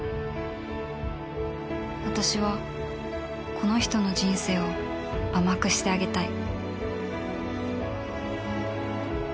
私はこの人の人生を甘くしてあげたい